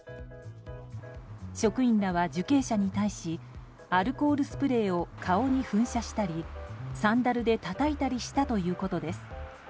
職員らは受刑者に対しアルコールスプレーを顔に噴射したり、サンダルでたたいたりしたということです。